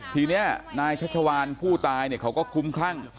ทีนี้นายชาวชาวานผู้ตายเนี่ยเขาก็คุ้มครั่ง